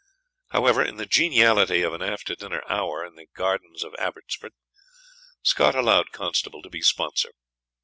However, in the geniality of an after dinner hour in the gardens of Abbotsford, Scott allowed Constable to be sponsor.